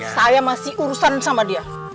saya masih urusan sama dia